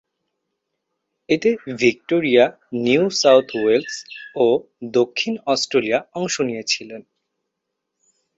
এতে Victoria, New South Wales ও দক্ষিণ অস্ট্রেলিয়া অংশ নিয়েছিল।